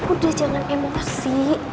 udah jangan emosi